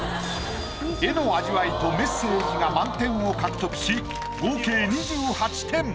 絵の味わいとメッセージが満点を獲得し合計２８点。